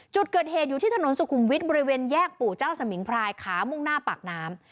จุดเกิดเหตุอยู่ที่ถนนสุขุมวิทย์บริเวณแยกปู่เจ้าสมิงพรายขามุ่งหน้าปากน้ำ